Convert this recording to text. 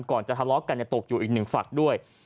จะทะเลาะกันตกอยู่อีกหนึ่งฝั่งด้วย